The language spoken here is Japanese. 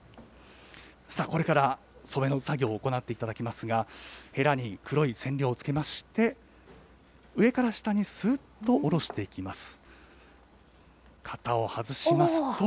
さあ、これから染めの作業を行っていただきますが、へらに黒い染料をつけまして、上から下にすっと下ろしていきます。